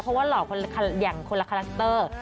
เพราะว่าหล่ออย่างคนละคาแรคเตอร์